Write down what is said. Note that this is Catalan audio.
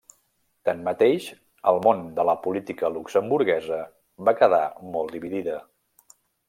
Tanmateix, el món de la política luxemburguesa va quedar molt dividida.